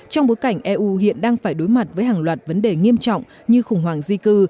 trong bối cảnh eu hiện đang phải đối mặt với hàng loạt vấn đề nghiêm trọng như khủng hoảng di cư